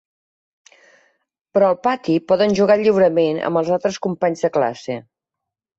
Però al pati poden jugar lliurement amb els altres companys de classe.